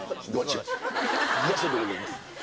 東野でございます。